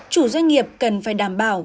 chủ doanh nghiệp cần phải đảm bảo